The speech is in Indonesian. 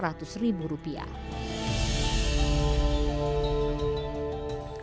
bagaimana cara memperbaiki kain tenun